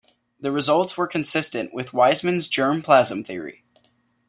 The results were consistent with Weismann's germ plasm theory.